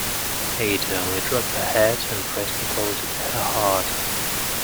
Ada only dropped her head and pressed me closer to her heart.